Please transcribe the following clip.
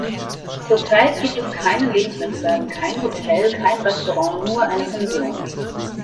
Zurzeit gibt es keinen Lebensmittelladen, kein Hotel, kein Restaurant, nur eine Pension.